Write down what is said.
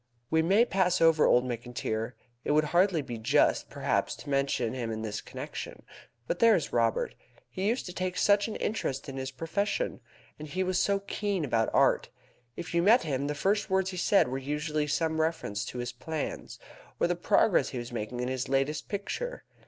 "We may pass over old Mr. McIntyre. It would hardly be just, perhaps, to mention him in this connection. But there is Robert. He used to take such an interest in his profession. He was so keen about art. If you met him, the first words he said were usually some reference to his plans, or the progress he was making in his latest picture.